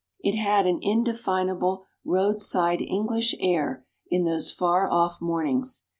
It had an indefinable road side English air in those far off mornings.